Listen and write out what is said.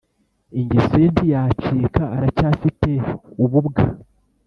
Ingeso ye ntiyacika aracyafite ububwa